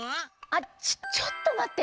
あっちょちょっとまって。